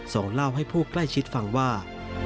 เล่าให้ผู้ใกล้ชิดฟังว่า